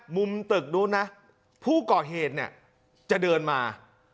มุมตึกนู้นนะผู้ก่อเหตุเนี่ยจะเดินมา